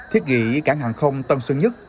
thiết nghị cảng hàng không tân sơn nhất